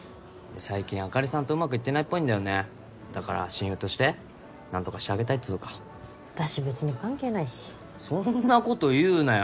最近あかりさんとうまくいってないっぽいんだよねだから親友として何とかしてあげたいっつうか私別に関係ないしそんなこと言うなよ